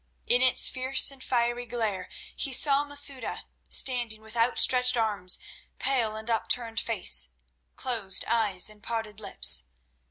In its fierce and fiery glare he saw Masouda standing with outstretched arms, pale, upturned face, closed eyes, and parted lips.